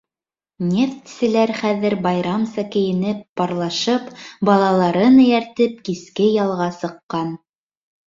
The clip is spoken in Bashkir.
Нефтселәр хәҙер, байрамса кейенеп, парлашып, балаларын эйәртеп, киске ялға сыҡҡан.